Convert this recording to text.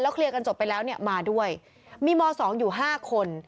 แล้วเคลียร์กันจบไปแล้วเนี้ยมาด้วยมีมอสองอยู่ห้าคน